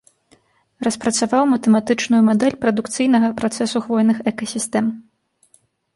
Распрацаваў матэматычную мадэль прадукцыйнага працэсу хвойных экасістэм.